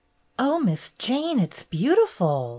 "Oh, Miss Jane, it 's beautiful!